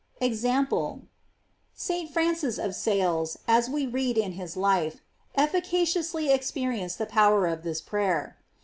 "f EXAMPLE. St. Francis of Sales, as we read in his life, effi caciously experienced the power of this prayer.